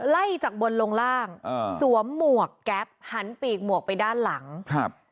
ไล่จากบนลงล่างอ่าสวมหมวกแก๊ปหันปีกหมวกไปด้านหลังครับ